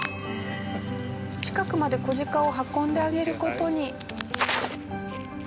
近くまで子鹿を運んであげる事に。